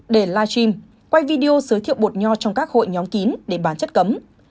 để live stream quay video giới thiệu bột nho trong các hội nhóm kín để bán chất cấm